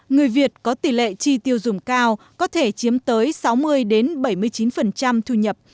người việt có tỷ lệ chi tiêu dùng cao có thể chiếm tới sáu mươi bảy mươi chín thu nhập